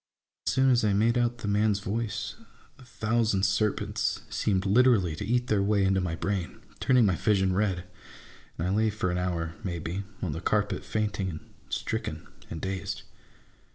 As soon as I made out the man's voice, a thousand serpents seemed literally to eat their way into my brain, turning my vision red ; and I lay for an hour, may be, on the carpet, fainting, and stricken, and dazed.